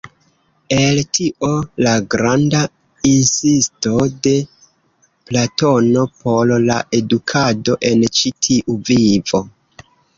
El tio la granda insisto de Platono por la edukado en ĉi tiu vivo.